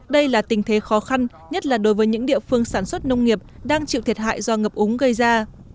đây là tình thế khó khăn nhất là đối với những địa phương sản xuất nông nghiệp đang chịu thiệt hại do ngập úng gây ra